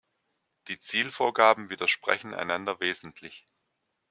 Die Zielvorgaben widersprechen einander wesentlich.